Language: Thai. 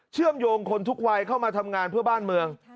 เชื่อมโยงคนทุกวัยเข้ามาทำงานเพื่อบ้านเมือง